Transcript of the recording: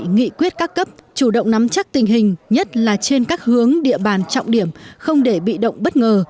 nghị quyết các cấp chủ động nắm chắc tình hình nhất là trên các hướng địa bàn trọng điểm không để bị động bất ngờ